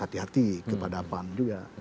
hati hati kepada pan juga